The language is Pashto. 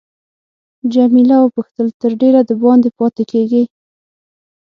جميله وپوښتل تر ډېره دباندې پاتې کیږې.